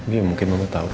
iya mungkin mama tau